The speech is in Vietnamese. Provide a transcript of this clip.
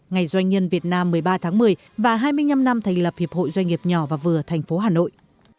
ngày doanh nhân việt nam một mươi ba tháng một mươi và hai mươi năm năm thành lập hiệp hội doanh nghiệp nhỏ và vừa thành phố hà nội